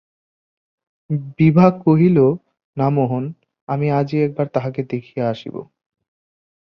বিভা কহিল, না মোহন, আমি আজই একবার তাঁহাকে দেখিয়া আসিব।